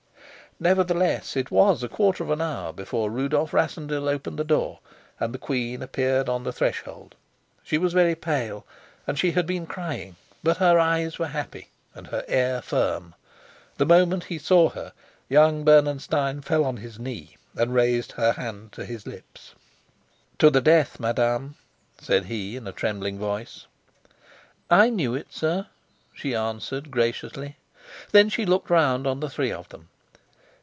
Nevertheless it was a quarter of an hour before Rudolf Rassendyll opened the door and the queen appeared on the threshold. She was very pale, and she had been crying, but her eyes were happy and her air firm. The moment he saw her, young Bernenstein fell on his knee and raised her hand to his lips. "To the death, madame," said he, in a trembling voice. "I knew it, sir," she answered graciously. Then she looked round on the three of them.